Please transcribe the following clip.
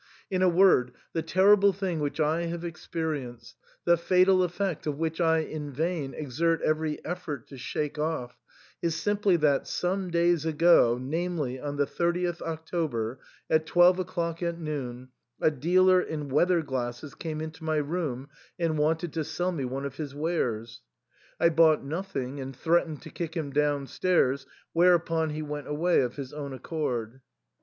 In a word, the terrible thing which I have experienced, the fatal effect of which I in vain exert every effort to shake off, is simply that some days ago, namely, on the 30th October, at twelve o'clock at noon, a dealer in weather glasses came into my room and wanted to sell me one of his wares, I bought nothing, and threatened to kick him downstairs, whereupon he went away of his own accord.